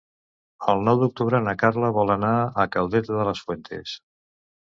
El nou d'octubre na Carla vol anar a Caudete de las Fuentes.